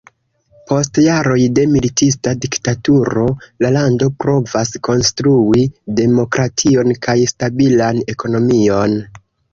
Post jaroj de militista diktaturo la lando provas konstrui demokration kaj stabilan ekonomion.